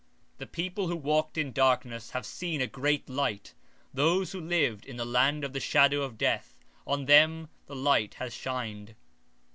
19:2 The people that walked in darkness have seen a great light; they that dwell in the land of the shadow of death, upon them hath the light shined.